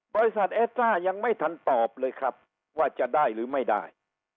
บริษัทเอสตรายังไม่ทันตอบเลยครับว่าจะได้หรือไม่ได้